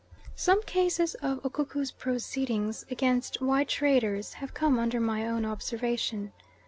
Some cases of Ukuku proceedings against white traders have come under my own observation.